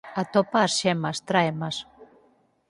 Atopa as xemas. Tráemas.